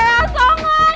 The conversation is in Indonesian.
didi tahu mel